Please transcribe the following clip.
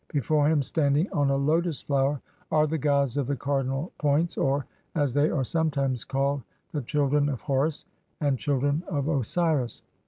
Before him, standing on a lotus flower, are the gods of the cardinal points or, as they are sometimes called, "the Children of Horus" and "Children of Osiris".